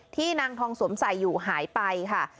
นางทองสวมใส่อยู่หายไปค่ะ